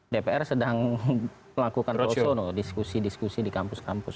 dpr sedang melakukan disekusi diskusi di kampus kampus